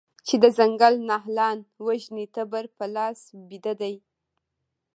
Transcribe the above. چې د ځنګل نهالان وژني تبر په لاس بیده دی